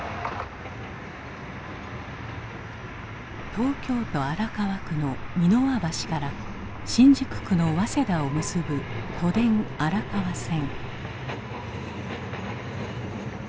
東京都荒川区の三ノ輪橋から新宿区の早稲田を結ぶ都電荒川線。